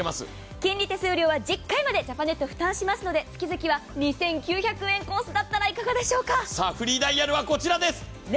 金利・手数料は１０回までジャパネットが負担しますので、月々は２９００円コースだったらいかがでしょうか？